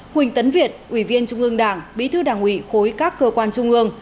huỳnh tấn việt ủy viên trung ương đảng bí thư đảng ủy khối các cơ quan trung ương